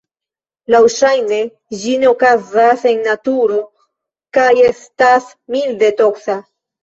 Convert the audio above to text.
Laŭŝajne ĝi ne okazas en naturo kaj estas milde toksa.